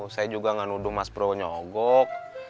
saya juga enggak nuduh mas bro nyogok